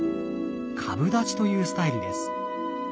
株立ちというスタイルです。